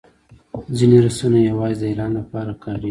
ځینې رسنۍ یوازې د اعلان لپاره کارېږي.